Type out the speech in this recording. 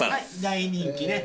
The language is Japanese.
大人気ね。